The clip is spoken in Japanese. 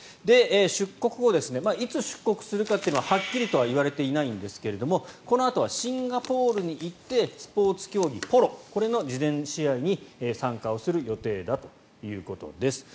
出国後いつ出国するかというのははっきり言われていないんですがこのあとはシンガポールに行ってスポーツ競技のポロこれの慈善試合に参加をする予定だということです。